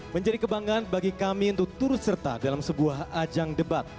menjadi kebanggaan bagi kami untuk turut serta dalam sebuah ajang debat